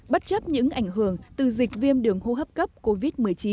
bất chấp những ảnh hưởng từ dịch viêm đường hô hấp cấp covid một mươi chín